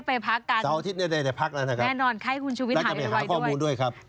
เดี๋ยวให้คุณชูวิทย์ได้ไปพักกันแน่นอนให้คุณชูวิทย์หายด้วย